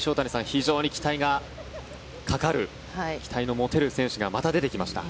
非常に期待がかかる期待の持てる選手がまた出てきました。